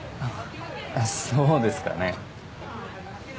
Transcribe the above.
そうですかね